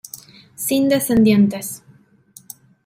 Sin descendientes.